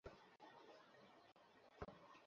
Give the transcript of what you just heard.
আচ্ছা, হচ্ছেটা কী ওখানে?